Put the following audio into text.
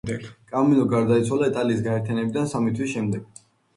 კამილო გარდაიცვალა იტალიის გაერთიანებიდან სამი თვის შემდეგ.